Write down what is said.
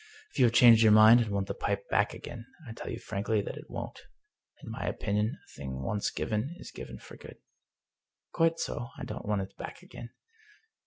If you have changed your mind, and want the pipe back again, I tell you frankly that it won't. In my opinion, a thing once g^ven is given for good." " Quite so; I don't want it back again.